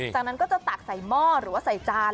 จากนั้นก็จะตักใส่หม้อหรือว่าใส่จาน